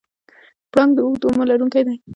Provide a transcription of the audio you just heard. پړانګ د اوږده عمر لرونکی دی.